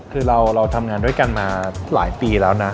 คือเราทำงานด้วยกันมาหลายปีแล้วนะ